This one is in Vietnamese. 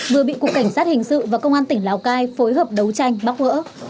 vừa bị cục cảnh sát hình sự và công an tỉnh lào cai phối hợp đấu tranh bóc gỡ